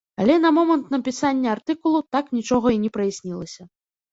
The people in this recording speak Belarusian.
Але на момант напісання артыкулу так нічога і не праяснілася.